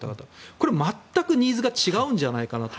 これは全くニーズが違うんじゃないかなと。